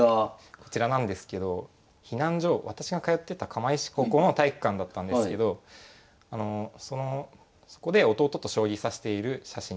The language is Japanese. こちらなんですけど避難所は私が通ってた釜石高校の体育館だったんですけどそこで弟と将棋指している写真になりますこちらは。